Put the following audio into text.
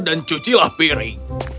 dan cucilah piring